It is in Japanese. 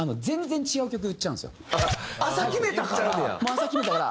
朝決めたから。